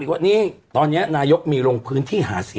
หืมหืมหืม